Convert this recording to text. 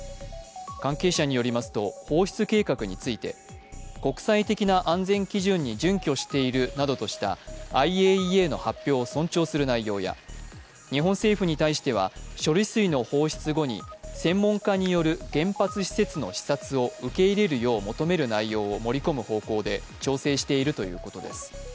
関係者によりますと、放出計画について国際的な安全基準に準拠しているなどとしたＩＡＥＡの発表を尊重する内容や日本政府に対しては処理水の放出後に専門家による原発施設の視察を受け入れるよう求める内容を盛り込む方向で調整しているということです。